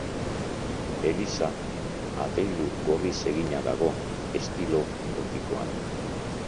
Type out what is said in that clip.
Eliza adreilu gorriz egina dago estilo gotikoan.